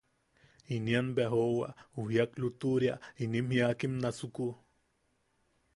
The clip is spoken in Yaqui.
Inien bea joowa ju jiak lutuʼuria inim jiakim nasuku.